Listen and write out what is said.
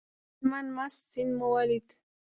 د هلمند مست سیند مو ولید.